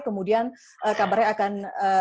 kemudian kabarnya akan